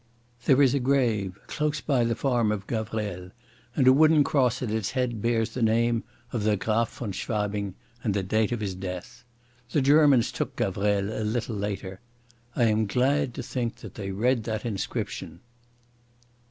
There is a grave close by the farm of Gavrelle, and a wooden cross at its head bears the name of the Graf von Schwabing and the date of his death. The Germans took Gavrelle a little later. I am glad to think that they read that inscription.